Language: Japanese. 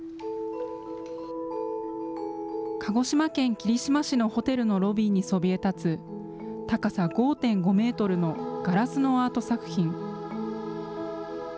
鹿児島県霧島市のホテルのロビーにそびえ立つ、高さ５．５メートルのガラスのアート作品。